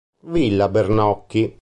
Villa Bernocchi